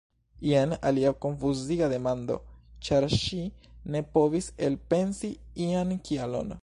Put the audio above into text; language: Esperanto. Jen alia konfuziga demando! Ĉar ŝi ne povis elpensi ian kialon.